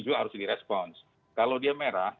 juga harus di response kalau dia merah